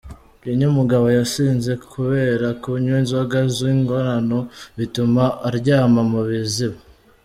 Kenya umugabo yasinze kubera kunywa inzoga z’ inkorano bituma aryama mu biziba.